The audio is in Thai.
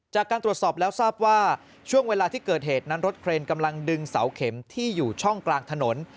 จากการตรวจสอบแล้วทราบว่าช่วงเวลาที่เกิดเหตุนั้นรถเครนกำลังดึงเสาเข็มที่อยู่ช่องกลางถนน